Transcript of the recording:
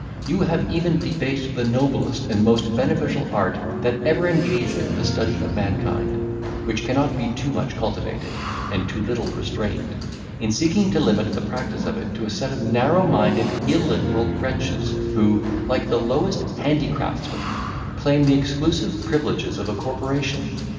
You have even debased the noblest and most beneficial art that ever engaged the study of mankind, which cannot be too much cultivated, and too little restrained, in seeking to limit the practice of it to a set of narrow minded, illiberal wretches, who, like the lowest handicraftsmen, claim the exclusive privileges of a corporation.